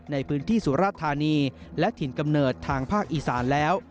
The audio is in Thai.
ในพื้นที่สุรธานีและถิ่นกำเนิดทางภาคอีสานแล้ว